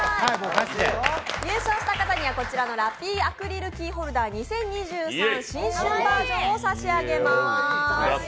優勝した方にはこちらのラッピーアクリルキーホルダー２０２３新春ｖｅｒを差し上げます。